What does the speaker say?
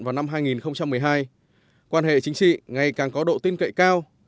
vào năm hai nghìn một mươi hai quan hệ chính trị ngày càng có độ tin cậy cao